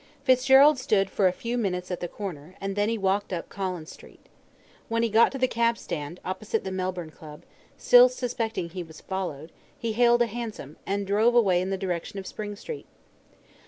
Fitzgerald stood for a few minutes at the corner, and then walked up Collins Street. When he got to the cab stand, opposite the Melbourne Club, still suspecting he was followed, he hailed a hansom, and drove away in the direction of Spring Street.